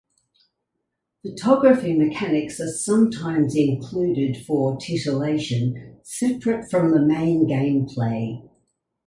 Photography mechanics are sometimes included for titillation separate from the main gameplay.